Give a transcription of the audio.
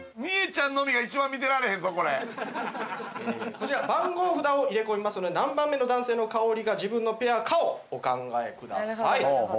こちら番号札を入れ込みますので何番目の男性の香りが自分のペアかをお考えください。